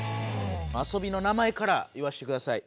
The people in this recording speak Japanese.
遊びの名前から言わせてください！